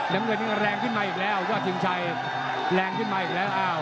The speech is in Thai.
แล้วก็แรงขึ้นมาอีกแล้วว่าถึงชัยแรงขึ้นมาอีกแล้ว